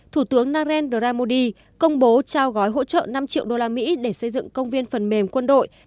thủ tướng narendra modi công bố trao gói hỗ trợ năm triệu usd để xây dựng công viên phần mềm quân đội